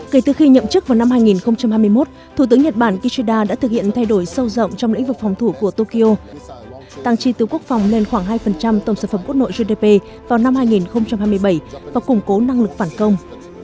kể từ khi nhậm chức vào năm hai nghìn hai mươi một thủ tướng nhật bản kishida đã thực hiện thay đổi sâu rộng trong lĩnh vực phòng thủ của tokyo tăng chi tiêu quốc phòng lên khoảng hai tổng sản phẩm quốc nội gdp vào năm hai nghìn hai mươi bảy và củng cố năng lực phản công